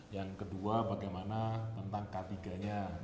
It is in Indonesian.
yang kedua bagaimana tentang k tiga nya